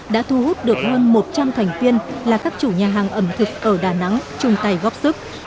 đã thu hút được hơn một trăm linh thành viên là các chủ nhà hàng ẩm thực ở đà nẵng chung tay góp sức